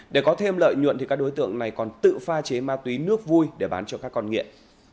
để có thêm lợi nhuận thì các đối tượng này còn tự pha chế ma túy nước vui để bán cho các con nghiện